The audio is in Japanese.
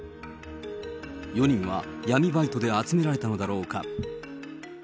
４人は闇バイトで集められたのだろうか。